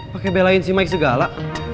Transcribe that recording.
pakai belain si mike segala